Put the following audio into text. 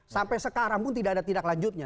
sampai sekarang pun tidak ada tindak lanjutnya